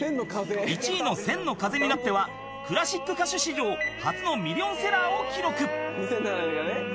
［１位の『千の風になって』はクラシック歌手史上初のミリオンセラーを記録］